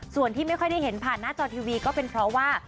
ส่วนที่ไม่ค่อยได้เห็นผ่านหน้าจอทีวีก็เป็นเพราะว่า